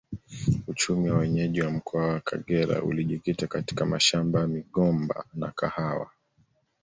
Uchumi wa wenyeji wa mkoa wa Kagera ulijikita katika mashamba ya migomba na kahawa